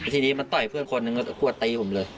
ทีนี้มันต่อยเพื่อนคนหนึ่งก็กวดตีผมเลย